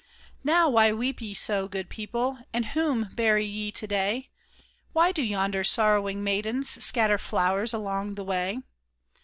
Now, why weep ye so, good people ? and whom bury ye to day ? Why do yonder sorrowing maidens scatter flowers along the way?